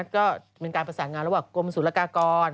ก็เป็นการประสานงานระหว่างกรมศูนยากากร